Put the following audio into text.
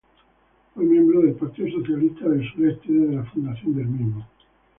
Fue miembro del Partido Socialista del Sureste desde la fundación del partido.